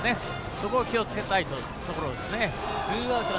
そこを気をつけたいところですね。